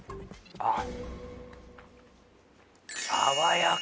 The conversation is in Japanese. あっ！